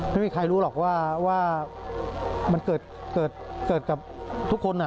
ไม่มีใครรู้หรอกว่ามันเกิดกับทุกคน